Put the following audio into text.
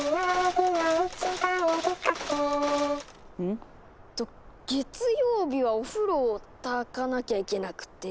えっと月曜日はおふろを焚かなきゃいけなくて。